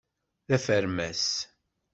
D afermas.